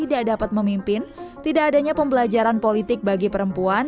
tidak dapat memimpin tidak adanya pembelajaran politik bagi perempuan